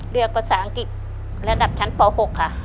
เลือกภาษาอังกฤษระดับชั้นป๖ค่ะ